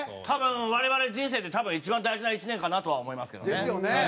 多分我々人生で多分一番大事な１年かなとは思いますけどね。